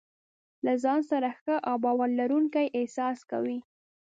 له ځان سره ښه او باور لرونکی احساس کوي.